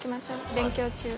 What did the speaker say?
勉強中？